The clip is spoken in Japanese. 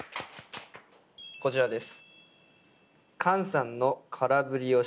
こちらです。